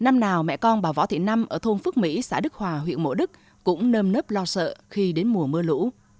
năm nào mẹ con bà võ thị năm ở thôn phước mỹ xã đức hòa huyện mộ đức cũng nơm nớp lo sợ khi đến mùa mưa lũ